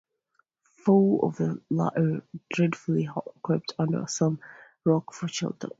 Four of the latter, dreadfully hurt, crept under some rocks for shelter.